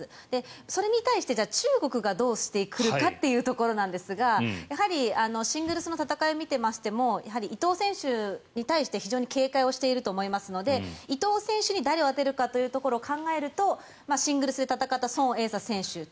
それに対して中国がどうしてくるかというところですがやはりシングルスの戦いを見ていましてもやはり伊藤選手に対して、非常に警戒をしていると思いますので伊藤選手に誰を当てるかというところを考えるとシングルスで戦ったソン・エイサ選手と。